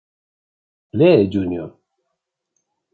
Lee, Jr.